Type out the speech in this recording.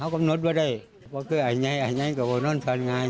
เขากำหนดว่าได้เพราะก็ไอ้ไงไอ้ไงก็บอกนั่นพันงาน